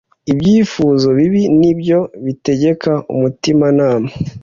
Ibyifuzo bibi ni byo bitegeka umutimanama,